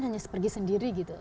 atau kan hanya pergi sendiri gitu